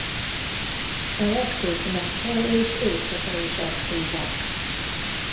A lepkék nappal és éjszaka is aktívak.